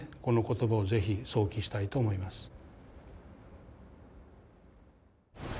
この言葉をぜひ想起したいと思います。